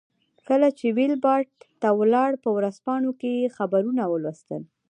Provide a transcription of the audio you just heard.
کله چې ویلباډ ته ولاړ په ورځپاڼو کې یې خبرونه ولوستل.